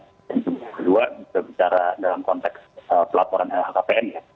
yang kedua juga bicara dalam konteks pelaporan lhkpn ya